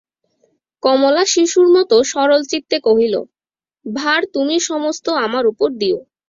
কমলা শিশুর মতো সরলচিত্তে কহিল, ভার তুমি সমস্ত আমার উপর দিয়ো।